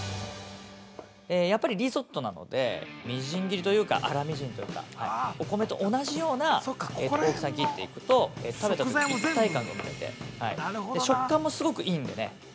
◆やっぱりリゾットなのでみじん切りというか粗みじんというかお米と同じような大きさに切っていくと、食べたとき、一体感が生まれて食感もすごくいいんでね。